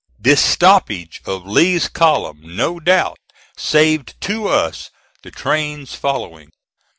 This stoppage of Lee's column no doubt saved to us the trains following.